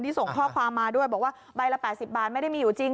ส่งข้อความมาด้วยบอกว่าใบละ๘๐บาทไม่ได้มีอยู่จริง